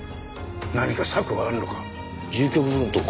何か策はあるのか？